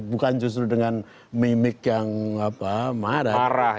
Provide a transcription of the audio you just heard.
bukan justru dengan mimik yang marah